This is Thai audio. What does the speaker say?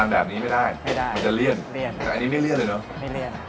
แบบนี้ไม่ได้ไม่ได้มันจะเลี่ยนแต่อันนี้ไม่เลื่อนเลยเนอะไม่เลื่อน